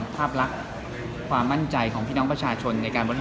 ภาพลักษณ์ความมั่นใจของพี่น้องประชาชนในการบริหาร